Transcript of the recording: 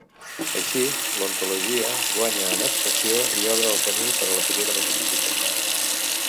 Així, l'ontologia guanya en abstracció i obre el camí per a la futura metafísica.